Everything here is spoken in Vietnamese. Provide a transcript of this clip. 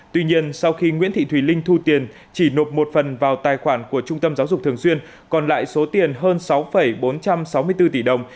tuy nhiên sau khi nguyễn thị thùy linh thu tiền chỉ nộp một phần vào tài khoản của trung tâm giáo dục thường xuyên còn lại số tiền hơn sáu bốn trăm sáu mươi bốn tỷ đồng